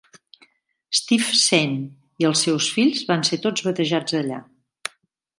Steve Saint i els seus fills van ser tots batejats allà.